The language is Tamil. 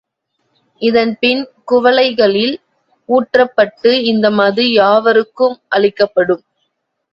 இதன்பின் குவளைகளில் ஊற்றப்பட்டு இந்த மது யாவர்க்கும் அளிக்கப்படும்.